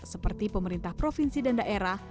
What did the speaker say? seperti pemerintah provinsi dan daerah